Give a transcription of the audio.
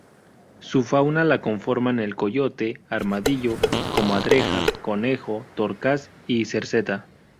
Su fauna la conforman el coyote, armadillo, comadreja, conejo, torcaz y cerceta.